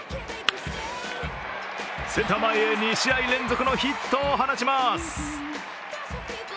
センター前へ２試合連続のヒットを放ちます。